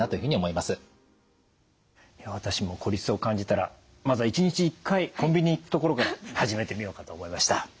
いや私も孤立を感じたらまずは１日１回コンビニに行くところから始めてみようかと思いました。